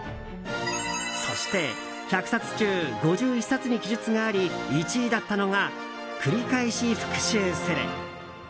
そして１００冊中５１冊に記述があり１位だったのが繰り返し復習する。